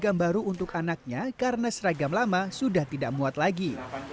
seragam baru untuk anaknya karena seragam lama sudah tidak muat lagi